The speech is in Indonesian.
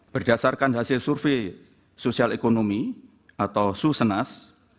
berdasarkan hasil survei sosial ekonomi atau susenas